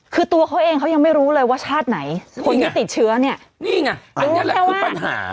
คือตัวเขาเองเขายังไม่รู้เลยว่าชาติไหนคนที่ติดเชื้อเนี่ยนี่ไงอันนี้แหละคือปัญหา